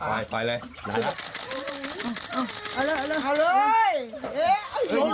นั่นเปล่าสนุนสนุนใจเย็น